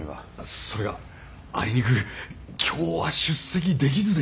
それがあいにく今日は出席できずでして。